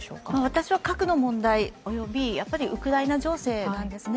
私は、核の問題及びウクライナ情勢ですね。